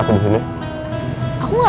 kamu tau yang meaningless